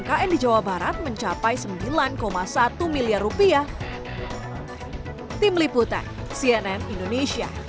jadi kita harus mencari